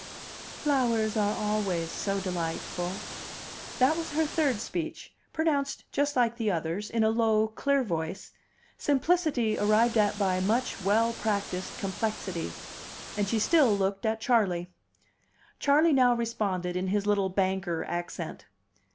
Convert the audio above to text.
"Flowers are always so delightful." That was her third speech, pronounced just like the others, in a low, clear voice simplicity arrived at by much well practiced complexity. And she still looked at Charley. Charley now responded in his little banker accent.